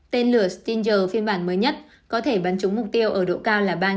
tên lửa stinger phiên bản mới nhất có thể bắn trúng mục tiêu ở độ cao là ba mươi